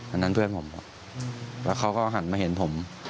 อันนั้นเพื่อนผมบอกแล้วเขาก็หันมาเห็นผม